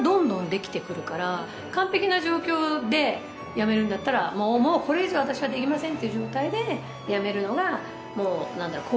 完璧な状況で辞めるんだったらもうこれ以上私はできませんっていう状態で辞めるのがもうなんだろう？